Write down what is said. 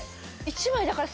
１枚だから。